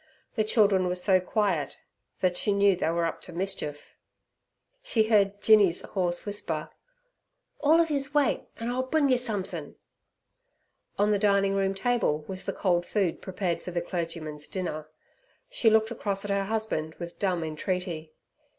The children were so quiet, that she knew they were up to mischief. She heard Jinny's hoarse whisper, "Orl of yez wait an' I'll bring yer sumsin'." On the dining room table was the cold food prepared for the clergyman's dinner. She looked across at her husband with dumb entreaty.